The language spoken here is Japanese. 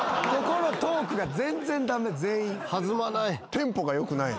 テンポがよくない。